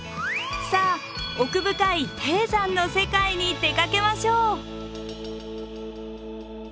さあ奥深い低山の世界に出かけましょう。